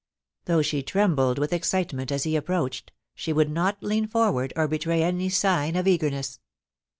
Though she trembled with excitement as he approached, she would not lean forward or betray any sign of eagerness.